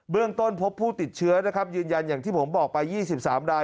เรื่องต้นพบผู้ติดเชื้อนะครับยืนยันอย่างที่ผมบอกไป๒๓ราย